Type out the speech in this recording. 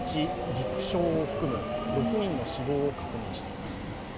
陸将を含む６人の死亡を確認しています。